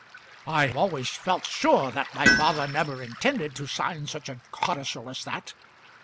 "I always felt sure that my father never intended to sign such a codicil as that."